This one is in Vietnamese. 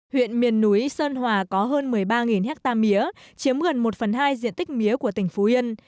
huyện miền núi sơn hòa có hơn một mươi ba hectare mía chiếm gần một phần hai diện tích mía của tỉnh phú yên